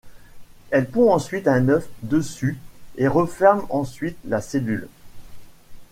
Elle pond ensuite un œuf dessus et referme ensuite la cellule.